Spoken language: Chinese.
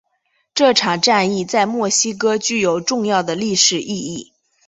这场战役在墨西哥具有重要的历史意义。